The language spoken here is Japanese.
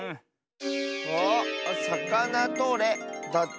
あっ「さかなとれ」だって。